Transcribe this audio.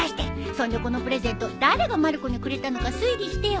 そんでこのプレゼント誰がまる子にくれたのか推理してよ。